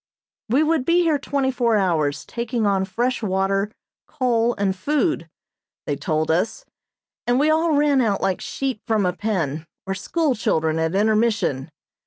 We would be here twenty four hours taking on fresh water, coal, and food, they told us, and we all ran out like sheep from a pen, or school children at intermission.